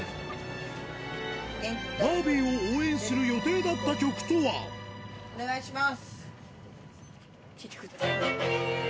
バービーを応援する予定だった曲とはお願いします。